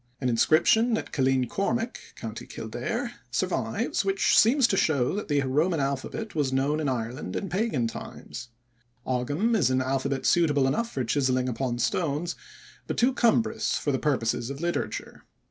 An inscription at Killeen Cormac, Co. Kildare, survives which seems to show that the Roman alphabet was known in Ireland in pagan times. Ogam is an alphabet suitable enough for chiselling upon stones, but too cumbrous for the purposes of literature.